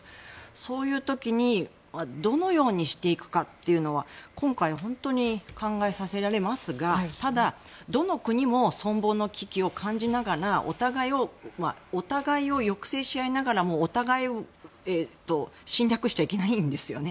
そういう時にどのようにしていくかっていうのは今回、本当に考えさせられますがただ、どの国も存亡の危機を感じながらお互いを抑制し合いながらもお互いを侵略しちゃいけないんですよね。